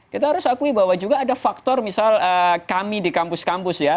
kita harus akui bahwa juga ada faktor misal kami di kampus kampus ya